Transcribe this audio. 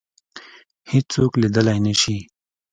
هیڅوک لیدلای نه شي